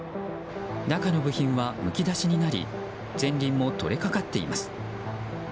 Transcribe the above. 中の部品はむき出しになり前輪も取れかかっています。